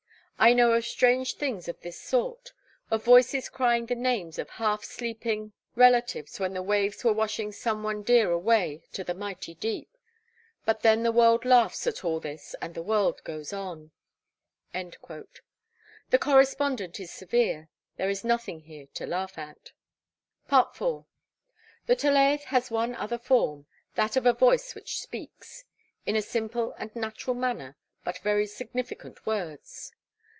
I know of strange things of this sort. Of voices crying the names of half sleeping relatives when the waves were washing some one dear away to the mighty deep; but then the world laughs at all this and the world goes on.' The correspondent is severe; there is nothing here to laugh at. FOOTNOTE: 'Western Mail,' Oct. 23, 1878. IV. The Tolaeth has one other form that of a Voice which speaks, in a simple and natural manner, but very significant words.